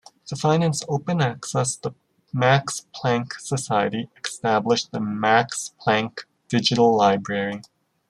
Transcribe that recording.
To finance open access the Max Planck Society established the Max Planck Digital Library.